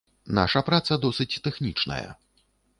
Наша праца досыць тэхнічная.